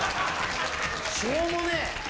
しょうもねえ。